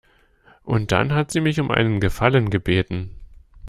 Und dann hat sie mich um einen Gefallen gebeten.